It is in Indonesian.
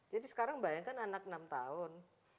jadi sekarang bayangkan anak enam tahun